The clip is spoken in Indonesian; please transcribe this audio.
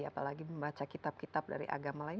apalagi membaca kitab kitab dari agama lain